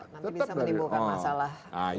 nanti bisa dibuka masalah lain